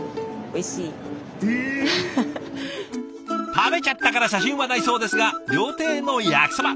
食べちゃったから写真はないそうですが料亭の焼きそば。